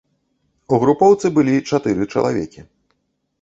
У групоўцы былі чатыры чалавекі.